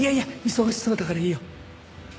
忙しそうだからいいよ。